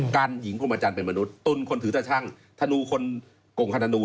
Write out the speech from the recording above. กันหญิงพุมอาจารย์เป็นมนุษย์ตุลคนถือทะชั่งธนูคนกงทะนู